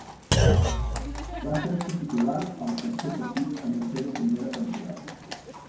Va fer-se titular al tercer partit en la seva primera temporada.